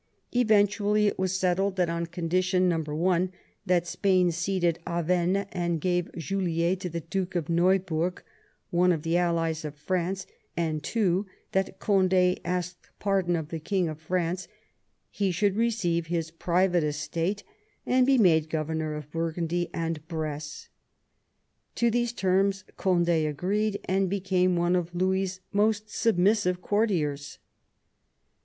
Eventu ally it was settled that on condition (1) that Spain ceded Avesnes and gave Juliers to the Duke of Neuburg, one of the allies of France ; and (2) that Cond^ asked pardon of the King of France, he should receive his private estate, and be made governor of Burgundy and Bresse. To these terms Cond6 agreed, and became one of Louis* most submissive courtiers.